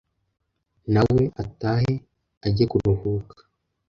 na we atahe ajye kuruhuka.